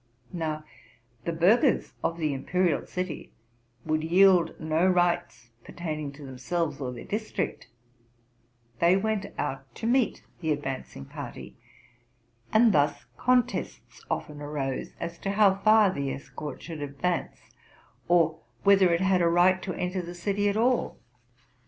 Now, the burghers of the imperial city would yield no rights pertaining to themselves or their dis trict: they went out to meet the advancing party; and thus contests often arose as to how far the escort should advance, or whether it had a right to enter the city at all.